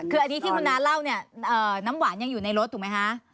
คืออันนี้ที่คุณน้าเล่าเนี่ยน้ำหวานยังอยู่ในรถถูกไหมคะ